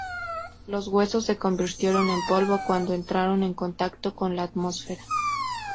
Los huesos se convirtieron en polvo cuando entraron en contacto con la atmósfera.